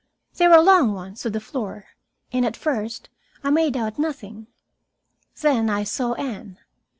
They were long ones, to the floor, and at first I made out nothing. Then I saw Anne.